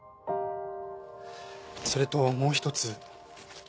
それともう一つ。